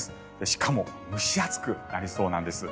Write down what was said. しかも蒸し暑くなりそうなんです。